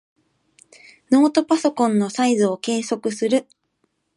ノートパソコンのサイズを計測する。